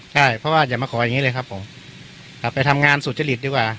ใช่เพราะว่าอย่ามาขออย่างนี้เลยครับผมกลับไปทำงานสุจริตดีกว่า